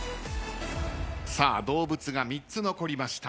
さあ動物が３つ残りました。